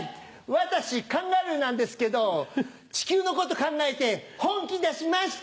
私カンガルーなんですけど地球のこと考えて本気出しました。